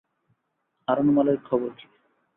হারানো মালের খবর কী?